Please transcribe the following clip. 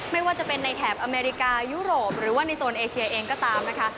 ไม่ว่าจะเป็นในแถบอเมริกายุโรปหรือว่าในโซนเอเชียเองก็ตามนะคะ